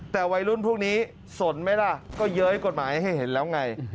แต่วัยรุ่นพวกนี้สนไหมล่ะก็เย้ยกฎหมายให้เห็นแล้วไง